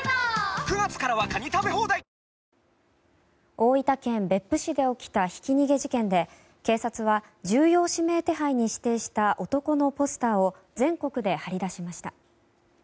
大分県別府市で起きたひき逃げ事件で警察は重要指名手配に指定した男のポスターを全国で貼り出しました。